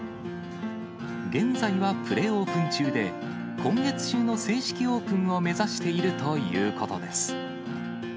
現在はプレオープン中で、今月中の正式オープンを目指しているということです。